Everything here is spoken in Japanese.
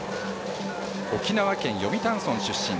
沖縄県読谷村出身。